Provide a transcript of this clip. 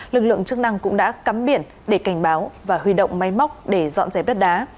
lực lượng chức năng cũng đã cắm biển để cảnh báo và huy động máy móc để dọn dẹp đất đá